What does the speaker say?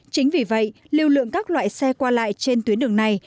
chính vì vậy lưu lượng các loại xe qua lại trên tuyến đường này